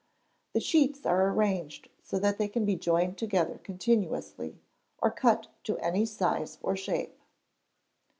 The sheets are arranged so that they can be joined together continuously, or cut to any size or shape.